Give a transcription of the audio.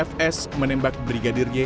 fs menembak brigadir y